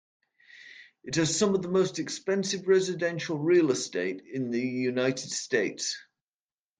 It has some of the most expensive residential real estate in the United States.